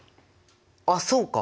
あっそうか！